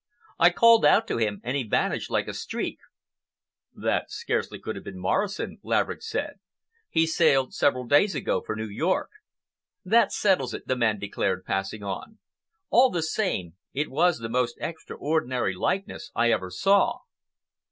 I called out to him and he vanished like a streak." "It could scarcely have been Morrison," Laverick said. "He sailed several days ago for New York." "That settles it," the man declared, passing on. "All the same, it was the most extraordinary likeness I ever saw."